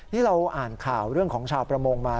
นี่เราอ่านข่าวเรื่องของชาวประมงมา